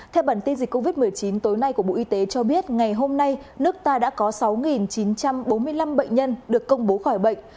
theo bản tin dịch covid một mươi chín tối nay của bộ y tế cho biết ngày hôm nay nước ta đã có sáu chín trăm bốn mươi năm bệnh nhân được công bố khỏi bệnh